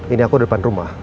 ini aku depan rumah